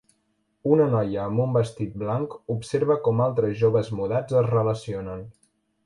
Una noia amb un vestit blanc observa com altres joves mudats es relacionen.